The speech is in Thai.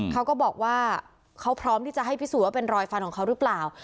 เขาก็บอกว่าเขาพร้อมที่จะให้พิสูจนว่าเป็นรอยฟันของเขาหรือเปล่า